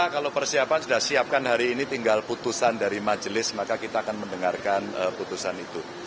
kalau persiapan sudah siapkan hari ini tinggal putusan dari majelis maka kita akan mendengarkan putusan itu